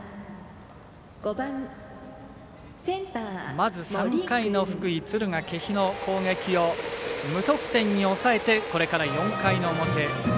まず３回の福井・敦賀気比の攻撃を無得点に抑えてこれから４回の表。